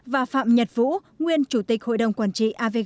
và phạm nhật vũ nguyên chủ tịch hội đồng quản trị avg